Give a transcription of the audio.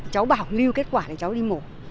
cháu bảo lưu kết quả để cháu đi mổ